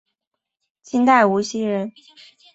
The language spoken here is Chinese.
清代无锡人。